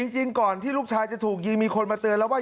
จริงก่อนที่ลูกชายจะถูกยิงมีคนมาเตือนแล้วว่า